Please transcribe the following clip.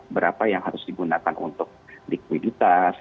berapa yang harus digunakan untuk likuiditas